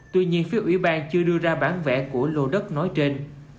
tuy nhiên phía ủy ban chưa đưa ra bản vẽ của lô đất nói trên